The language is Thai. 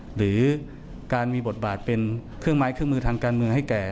หรือการมีบทบาทเป็นเครื่องไม้เครื่องมือทางการเมืองให้แก่